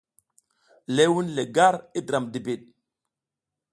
Ləh wun le gar i dram dibid.